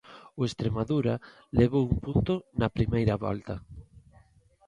O Estremadura levou un punto na primeira volta.